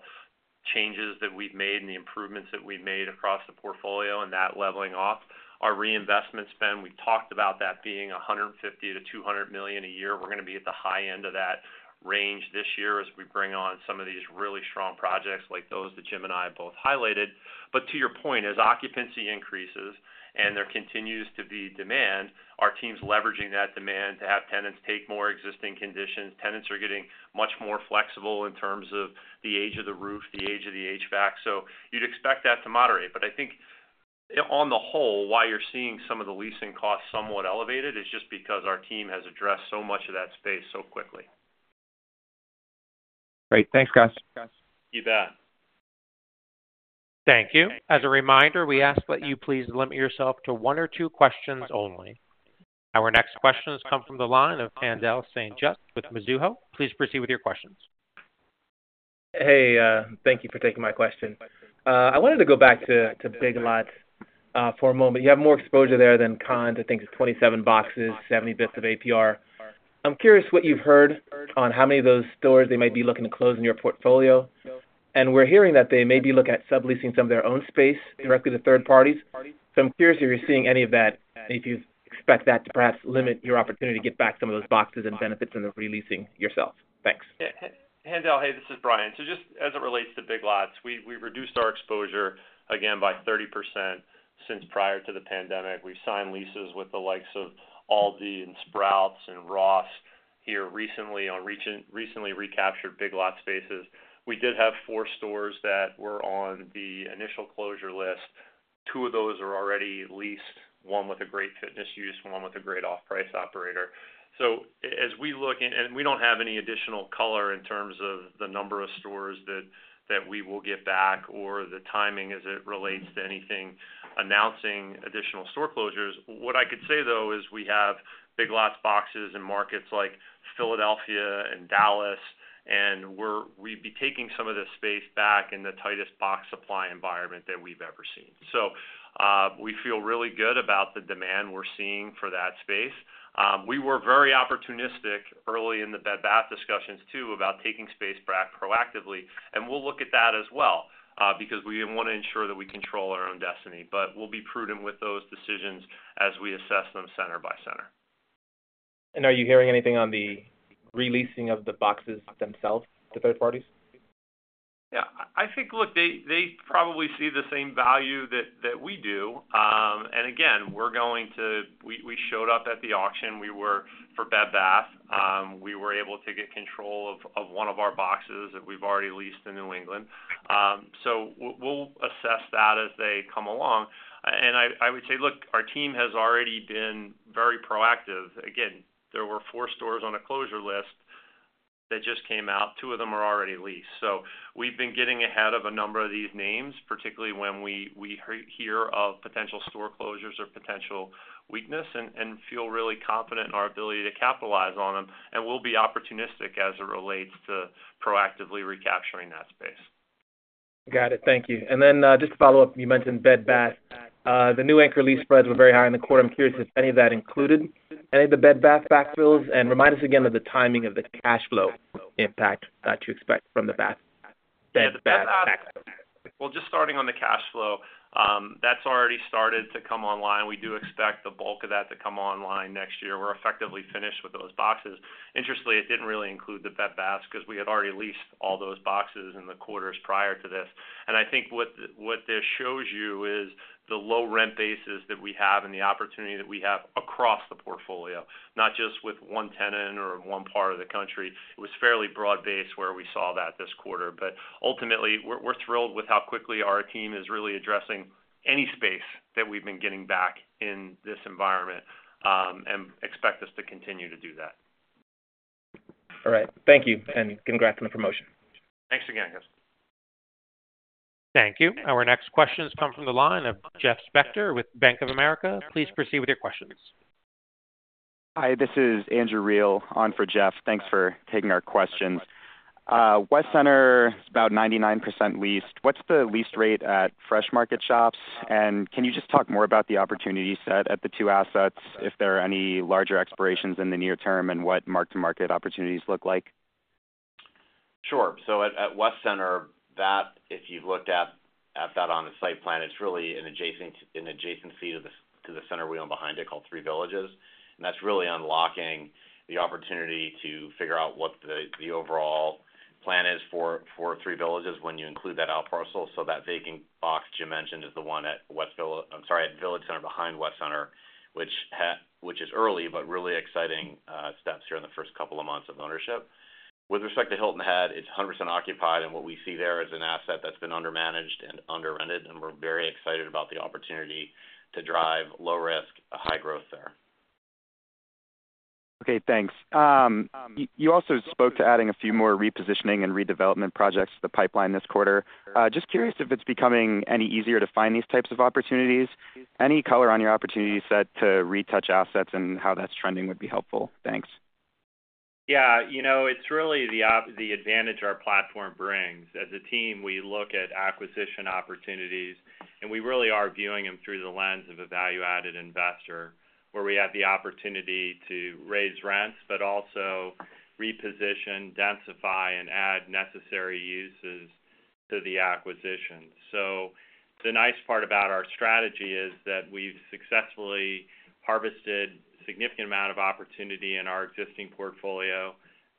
changes that we've made and the improvements that we've made across the portfolio and that leveling off. Our reinvestment spend, we talked about that being $150 million-$200 million a year. We're gonna be at the high end of that range this year as we bring on some of these really strong projects, like those that Jim and I both highlighted. But to your point, as occupancy increases and there continues to be demand, our team's leveraging that demand to have tenants take more existing conditions. Tenants are getting much more flexible in terms of the age of the roof, the age of the HVAC. So you'd expect that to moderate. But I think on the whole, why you're seeing some of the leasing costs somewhat elevated, is just because our team has addressed so much of that space so quickly. Great. Thanks, guys. You bet. Thank you. As a reminder, we ask that you please limit yourself to one or two questions only. Our next question has come from the line of Haendel St. Juste with Mizuho. Please proceed with your questions. Hey, thank you for taking my question. I wanted to go back to, to Big Lots, for a moment. You have more exposure there than Conn's, I think it's 27 boxes, 70 bps of ABR. I'm curious what you've heard on how many of those stores they might be looking to close in your portfolio. And we're hearing that they may be looking at subleasing some of their own space directly to third parties. So I'm curious if you're seeing any of that, and if you expect that to perhaps limit your opportunity to get back some of those boxes and benefits of re-leasing yourself. Thanks. Yeah. Haendel, hey, this is Brian. So just as it relates to Big Lots, we've reduced our exposure again by 30% since prior to the pandemic. We've signed leases with the likes of Aldi and Sprouts and Ross here recently on recently recaptured Big Lots spaces. We did have 4 stores that were on the initial closure list. Two of those are already leased, one with a great fitness use, one with a great off-price operator. So as we look, and we don't have any additional color in terms of the number of stores that we will get back or the timing as it relates to anything announcing additional store closures. What I could say, though, is we have Big Lots boxes in markets like Philadelphia and Dallas, and we'd be taking some of this space back in the tightest box supply environment that we've ever seen. So, we feel really good about the demand we're seeing for that space. We were very opportunistic early in the Bed Bath discussions, too, about taking space back proactively, and we'll look at that as well, because we want to ensure that we control our own destiny. But we'll be prudent with those decisions as we assess them center by center. Are you hearing anything on the re-leasing of the boxes themselves to third parties? Yeah, I think, look, they probably see the same value that we do. And again, we showed up at the auction. We were for Bed Bath. We were able to get control of one of our boxes that we've already leased in New England. So we'll assess that as they come along. And I would say, look, our team has already been very proactive. Again, there were four stores on a closure list that just came out. Two of them are already leased. So we've been getting ahead of a number of these names, particularly when we hear of potential store closures or potential weakness, and feel really confident in our ability to capitalize on them, and we'll be opportunistic as it relates to proactively recapturing that space. Got it. Thank you. Just to follow up, you mentioned Bed Bath. The new anchor lease spreads were very high in the quarter. I'm curious if any of that included any of the Bed Bath backfills, and remind us again of the timing of the cash flow impact to expect from the Bed Bath backfill? Yeah, the Bed Bath. Well, just starting on the cash flow, that's already started to come online. We do expect the bulk of that to come online next year. We're effectively finished with those boxes. Interestingly, it didn't really include the Bed Bath because we had already leased all those boxes in the quarters prior to this. I think what this shows you is the low rent bases that we have and the opportunity that we have across the portfolio, not just with one tenant or one part of the country. It was fairly broad-based where we saw that this quarter. But ultimately, we're thrilled with how quickly our team is really addressing any space that we've been getting back in this environment, and expect us to continue to do that. All right. Thank you, and congrats on the promotion. Thanks again, Gus. Thank you. Our next question has come from the line of Jeff Spector with Bank of America. Please proceed with your questions. Hi, this is Andrew Reale on for Jeff. Thanks for taking our questions. West Center is about 99% leased. What's the lease rate at Fresh Market Shoppes? And can you just talk more about the opportunity set at the two assets, if there are any larger expirations in the near term, and what mark-to-market opportunities look like? Sure. So at West Center, that if you've looked at that on the site plan, it's really an adjacent, an adjacency to the center we'll behind it, called Three Villages. And that's really unlocking the opportunity to figure out what the overall plan is for Three Villages when you include that out parcel. So that vacant box you mentioned is the one at West Villa—I'm sorry, at Village Center behind West Center, which is early, but really exciting steps here in the first couple of months of ownership. With respect to Hilton Head, it's 100% occupied, and what we see there is an asset that's been undermanaged and under-rented, and we're very excited about the opportunity to drive low risk, high growth there. Okay, thanks. You also spoke to adding a few more repositioning and redevelopment projects to the pipeline this quarter. Just curious if it's becoming any easier to find these types of opportunities. Any color on your opportunity set to retouch assets and how that's trending would be helpful. Thanks. Yeah, you know, it's really the advantage our platform brings. As a team, we look at acquisition opportunities, and we really are viewing them through the lens of a value-added investor, where we have the opportunity to raise rents, but also reposition, densify, and add necessary uses to the acquisition. So the nice part about our strategy is that we've successfully harvested significant amount of opportunity in our existing portfolio.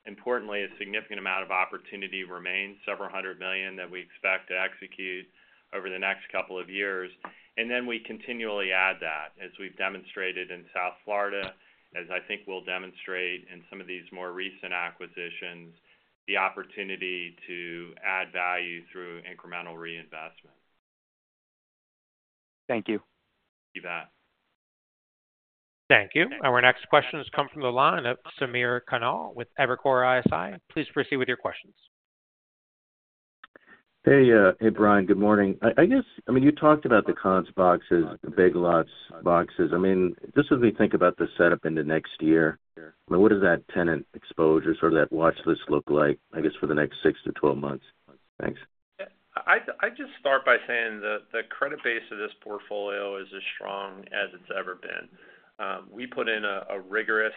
Importantly, a significant amount of opportunity remains, $several hundred million, that we expect to execute over the next couple of years. And then we continually add that, as we've demonstrated in South Florida, as I think we'll demonstrate in some of these more recent acquisitions, the opportunity to add value through incremental reinvestment. Thank you. You bet. Thank you. Our next question has come from the line of Samir Khanal with Evercore ISI. Please proceed with your questions. Hey, Brian, good morning. I guess, I mean, you talked about the Conn's boxes, the Big Lots boxes. I mean, just as we think about the setup in the next year, what does that tenant exposure, sort of that watch list look like, I guess, for the next 6-12 months? Thanks. Yeah, I'd just start by saying that the credit base of this portfolio is as strong as it's ever been. We put in a rigorous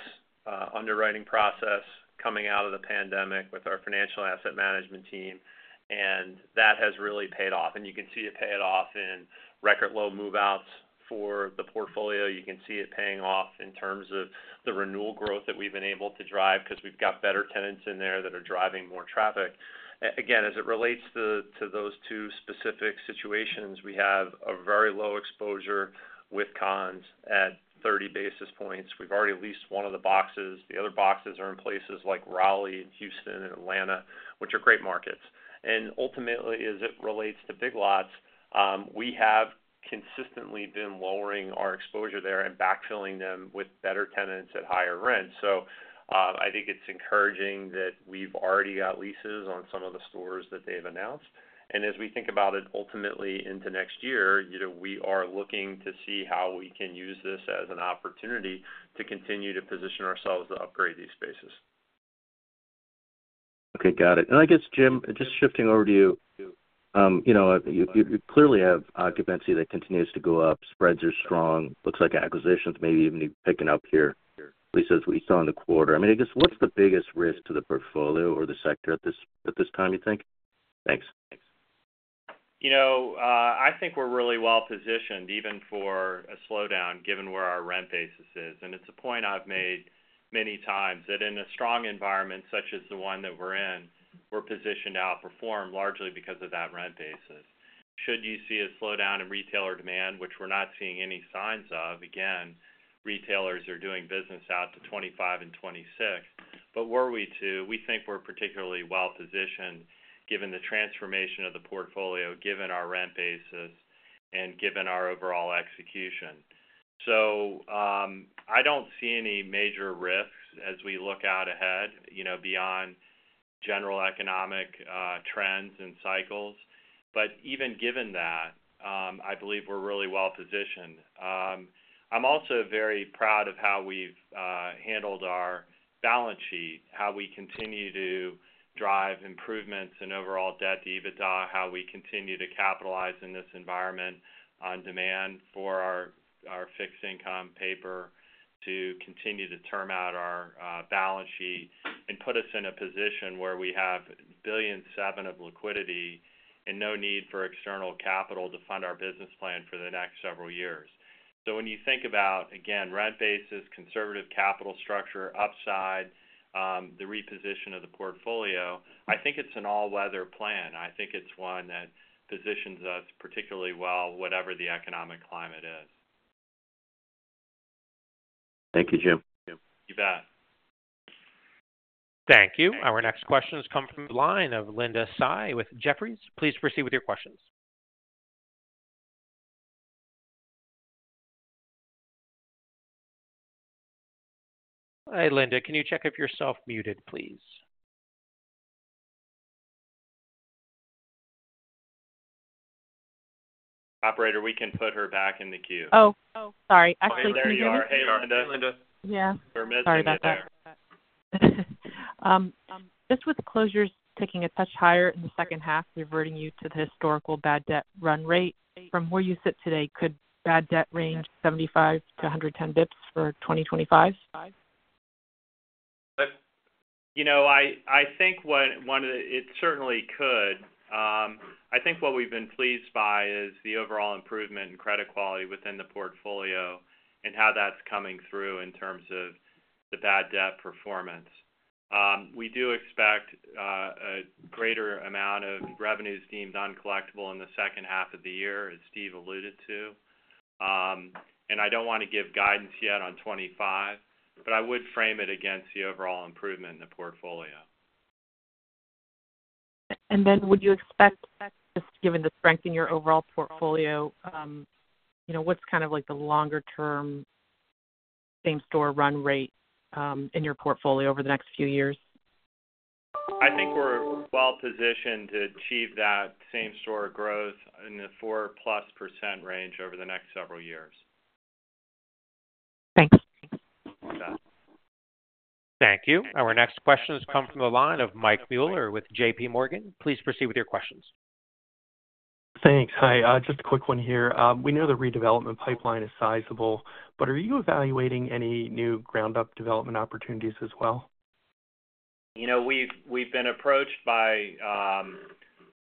underwriting process coming out of the pandemic with our financial asset management team, and that has really paid off. And you can see it pay it off in record low move-outs for the portfolio. You can see it paying off in terms of the renewal growth that we've been able to drive, because we've got better tenants in there that are driving more traffic. Again, as it relates to those two specific situations, we have a very low exposure with Conn's at 30 basis points. We've already leased one of the boxes. The other boxes are in places like Raleigh, Houston, and Atlanta, which are great markets. Ultimately, as it relates to Big Lots, we have-... consistently been lowering our exposure there and backfilling them with better tenants at higher rents. So, I think it's encouraging that we've already got leases on some of the stores that they've announced. And as we think about it, ultimately into next year, you know, we are looking to see how we can use this as an opportunity to continue to position ourselves to upgrade these spaces. Okay, got it. And I guess, Jim, just shifting over to you, you know, you clearly have occupancy that continues to go up. Spreads are strong, looks like acquisitions may even be picking up here, at least as we saw in the quarter. I mean, I guess, what's the biggest risk to the portfolio or the sector at this time, you think? Thanks. You know, I think we're really well-positioned, even for a slowdown, given where our rent basis is. And it's a point I've made many times, that in a strong environment such as the one that we're in, we're positioned to outperform, largely because of that rent basis. Should you see a slowdown in retailer demand, which we're not seeing any signs of, again, retailers are doing business out to 2025 and 2026. But were we to, we think we're particularly well-positioned, given the transformation of the portfolio, given our rent basis, and given our overall execution. So, I don't see any major risks as we look out ahead, you know, beyond general economic, trends and cycles. But even given that, I believe we're really well positioned. I'm also very proud of how we've handled our balance sheet, how we continue to drive improvements in overall debt to EBITDA, how we continue to capitalize in this environment on demand for our fixed income paper, to continue to term out our balance sheet and put us in a position where we have $1.7 billion of liquidity and no need for external capital to fund our business plan for the next several years. So when you think about, again, rent basis, conservative capital structure, upside, the reposition of the portfolio, I think it's an all-weather plan. I think it's one that positions us particularly well, whatever the economic climate is. Thank you, Jim. You bet. Thank you. Our next question has come from the line of Linda Tsai with Jefferies. Please proceed with your questions. Hi, Linda, can you check if you're self muted, please? Operator, we can put her back in the queue. Oh, sorry. I actually- There you are. Hey, Linda. Yeah. We're missing you there. Just with the closures ticking a touch higher in the second half, reverting you to the historical bad debt run rate, from where you sit today, could bad debt range 75-110 bps for 2025? You know, I think what one, it certainly could. I think what we've been pleased by is the overall improvement in credit quality within the portfolio and how that's coming through in terms of the bad debt performance. We do expect a greater amount of revenues deemed uncollectible in the second half of the year, as Steve alluded to. And I don't want to give guidance yet on 2025, but I would frame it against the overall improvement in the portfolio. And then, would you expect, just given the strength in your overall portfolio, you know, what's kind of like the longer term same-store run rate, in your portfolio over the next few years? I think we're well positioned to achieve that same-store growth in the 4%+ range over the next several years. Thanks. You bet. Thank you. Our next question has come from the line of Mike Mueller with JP Morgan. Please proceed with your questions. Thanks. Hi, just a quick one here. We know the redevelopment pipeline is sizable, but are you evaluating any new ground-up development opportunities as well? You know, we've been approached by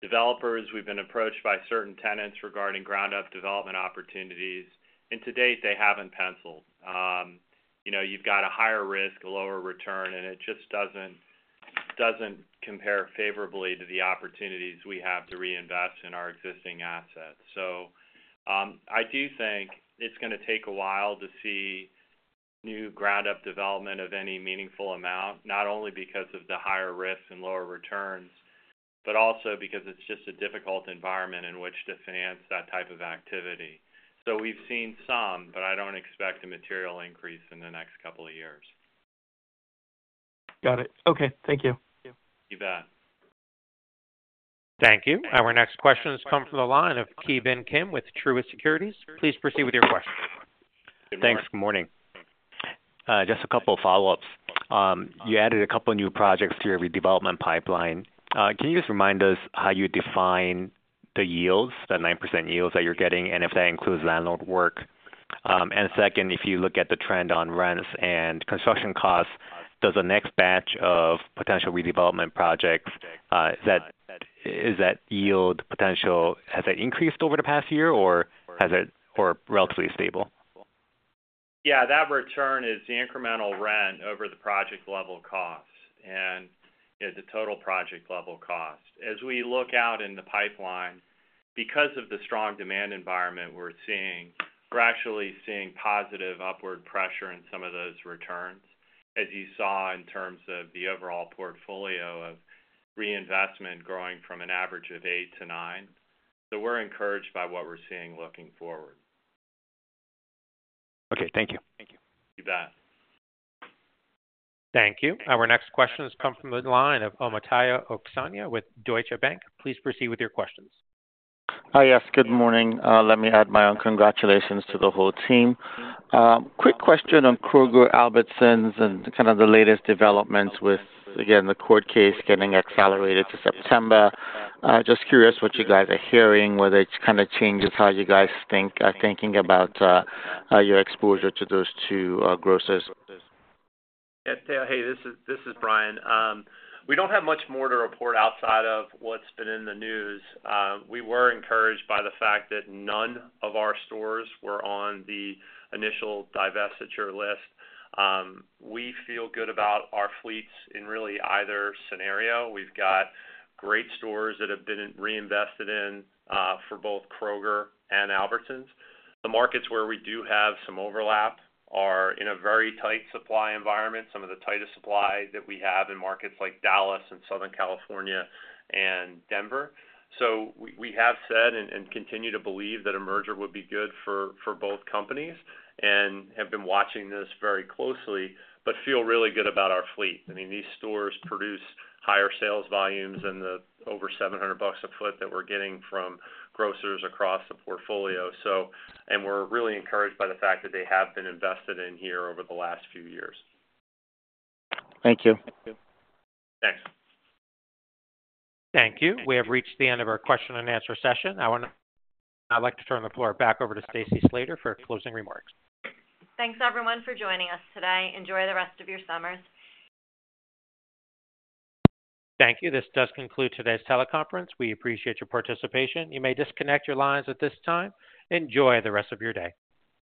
developers, we've been approached by certain tenants regarding ground up development opportunities, and to date, they haven't penciled. You know, you've got a higher risk, a lower return, and it just doesn't compare favorably to the opportunities we have to reinvest in our existing assets. So, I do think it's gonna take a while to see new ground up development of any meaningful amount, not only because of the higher risks and lower returns, but also because it's just a difficult environment in which to finance that type of activity. So we've seen some, but I don't expect a material increase in the next couple of years. Got it. Okay. Thank you. You bet. Thank you. Our next question has come from the line of Ki Bin Kim with Truist Securities. Please proceed with your question. Thanks. Good morning. Just a couple of follow-ups. You added a couple of new projects to your redevelopment pipeline. Can you just remind us how you define the yields, the 9% yields that you're getting, and if that includes landlord work? And second, if you look at the trend on rents and construction costs, does the next batch of potential redevelopment projects is that yield potential has it increased over the past year or has it or relatively stable? Yeah, that return is the incremental rent over the project level costs and, yeah, the total project level cost. As we look out in the pipeline, because of the strong demand environment we're seeing. ...actually seeing positive upward pressure in some of those returns, as you saw in terms of the overall portfolio of reinvestment growing from an average of eight to nine. We're encouraged by what we're seeing looking forward. Okay. Thank you. Thank you. You bet. Thank you. Our next question has come from the line of Omotayo Okesanya with Deutsche Bank. Please proceed with your questions. Hi. Yes, good morning. Let me add my own congratulations to the whole team. Quick question on Kroger, Albertsons, and kind of the latest developments with, again, the court case getting accelerated to September. Just curious what you guys are hearing, whether it kind of changes how you guys think, are thinking about, your exposure to those two, grocers. Yeah, hey, this is Brian. We don't have much more to report outside of what's been in the news. We were encouraged by the fact that none of our stores were on the initial divestiture list. We feel good about our fleets in really either scenario. We've got great stores that have been reinvested in for both Kroger and Albertsons. The markets where we do have some overlap are in a very tight supply environment, some of the tightest supply that we have in markets like Dallas and Southern California and Denver. We have said and continue to believe that a merger would be good for both companies and have been watching this very closely, but feel really good about our fleet. I mean, these stores produce higher sales volumes than the over $700 a foot that we're getting from grocers across the portfolio. So, and we're really encouraged by the fact that they have been invested in here over the last few years. Thank you. Thanks. Thank you. We have reached the end of our question and answer session. I'd like to turn the floor back over to Stacey Slater for closing remarks. Thanks, everyone, for joining us today. Enjoy the rest of your summers. Thank you. This does conclude today's teleconference. We appreciate your participation. You may disconnect your lines at this time. Enjoy the rest of your day.